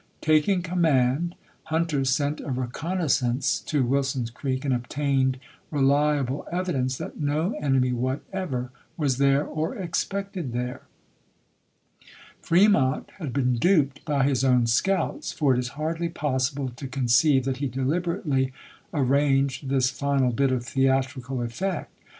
Taking command. Hunter sent a reconnaissance to Wilson's Creek, and obtained reliable evidence that no enemy whatever was there or expected there. Fremont had been duped by his own scouts ; for it is hardly possible to conceive that he deliberately arranged this final bit of theatrical effect.